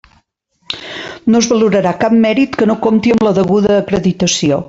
No es valorarà cap mèrit que no compti amb la deguda acreditació.